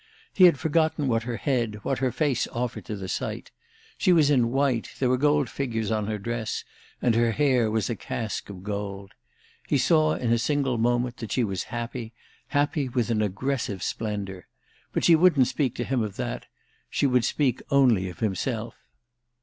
He had forgotten what her head, what her face offered to the sight; she was in white, there were gold figures on her dress and her hair was a casque of gold. He saw in a single moment that she was happy, happy with an aggressive splendour. But she wouldn't speak to him of that, she would speak only of himself.